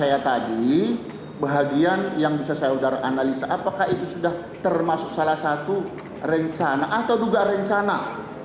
saya tadi bahagian yang bisa saya udara analisa apakah itu sudah termasuk salah satu rencana atau juga rencana